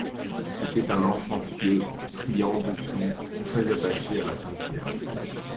C'était un enfant pieux, priant beaucoup, très attaché à la Sainte Vierge.